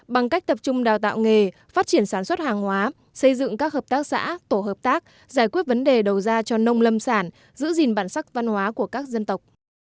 bằng cách tập trung đào tạo nghề phát triển sản xuất hàng hóa xây dựng các hợp tác xã tổ hợp tác giải quyết vấn đề đầu ra cho nông lâm sản giữ gìn bản sắc văn hóa của các dân tộc